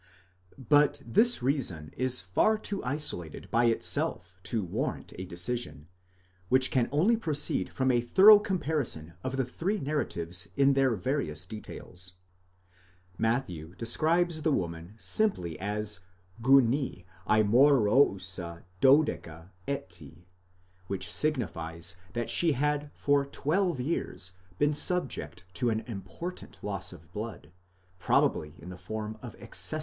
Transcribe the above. But this reason is far too isolated by itself to warrant a decision, which can only proceed from a thorough comparison of the three narratives in their various details. Matthew describes the woman simply as γυνὴ aipoppootca 'δώδεκα ἔτη, which signifies that she had for twelve years been subject to an important loss of blood, probably in the form of excessive menstruation, 16 Paulus, exeg.